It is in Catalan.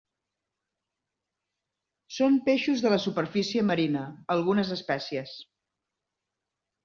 Són peixos de la superfície marina; algunes espècies.